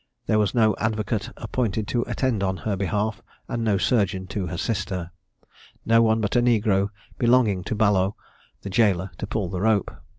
There was no advocate appointed to attend on her behalf, and no surgeon to assist her. No one but a negro, belonging to Ballot, the gaoler, to pull the rope.